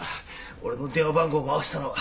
俺の電話番号回したのは。